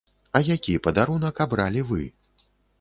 А які падарунак абралі вы?